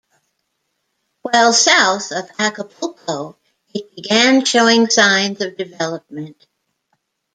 While south of Acapulco, it began showing signs of development.